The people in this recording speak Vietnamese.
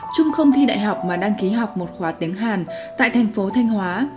trung không thi đại học mà đăng ký học một khóa tiếng hàn tại thành phố thanh hóa